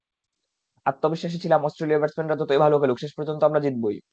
আত্মবিশ্বাসী ছিলাম অস্ট্রেলীয় ব্যাটসম্যানরা যতই ভালো খেলুক শেষ পর্যন্ত আমরা জিতবই।